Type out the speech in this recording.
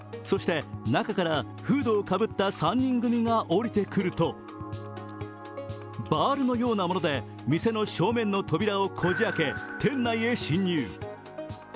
そして、中からフードをかぶった３人組が降りてくるとバールのようなもので店の正面の扉をこじ開け店内に侵入。